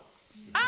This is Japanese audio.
あ！